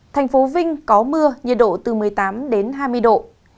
thành phố vinh có mưa nhiệt độ từ một mươi tám đến hai mươi độ